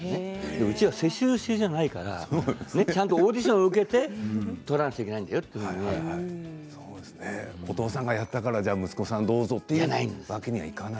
うちは世襲制じゃないからちゃんとオーディションを受けて取らなきゃいけないんだよってお父さんがやったから息子さんもどうぞというわけにはいかない。